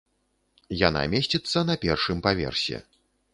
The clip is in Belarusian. Яна месціцца на першым паверсе.